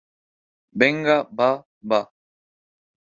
venga, va, va.